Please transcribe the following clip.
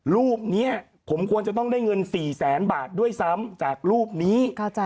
รูปนี้ผมควรจะต้องได้เงิน๔แสนบาทด้วยซ้ำจากรูปนี้